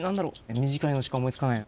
短いのしか思いつかへん。